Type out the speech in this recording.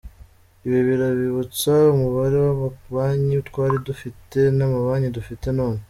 Ibi birabibutsa umubare w’amabanki twari dufite n’amabanki dufite none.